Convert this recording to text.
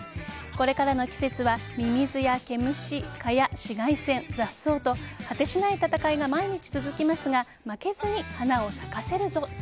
これからの季節はミミズや毛虫蚊や紫外線雑草と果てしない戦いが毎日続きますが負けずに花を咲かせるぞ！